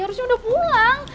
harusnya udah pulang